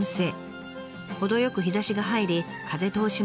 程よく日ざしが入り風通しもいい感じ。